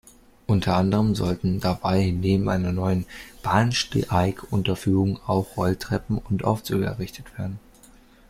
Unter anderem sollten dabei neben einer neuen Bahnsteigunterführung auch Rolltreppen und Aufzüge errichtet werden.